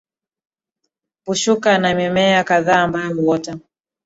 Pushuka ni Mimea kadhaa ambayo huota